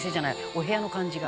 お部屋の感じが」